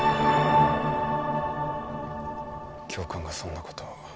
教官がそんなことを。